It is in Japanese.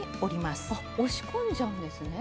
押し込んじゃうんですね。